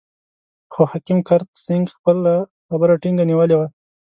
خو حکیم کرت سېنګ خپله خبره ټینګه نیولې وه.